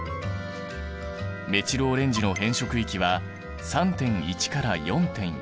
メチルオレンジの変色域は３．１から４．４。